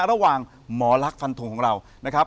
ระหว่างหมอลักษณฟันทงของเรานะครับ